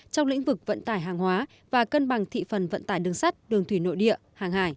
trong lĩnh vực vận tải hàng hóa và cân bằng thị phần vận tải đường sắt đường thủy nội địa hàng hải